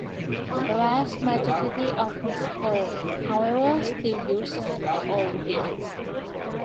The vast majority of Mexico, however, still uses the old dates.